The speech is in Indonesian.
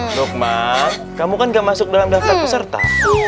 nukmat kamu kan gak masuk dalam daftar peserta